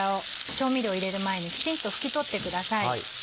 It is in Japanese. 調味料入れる前にきちんと拭き取ってください。